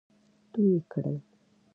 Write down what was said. تو يې کړل.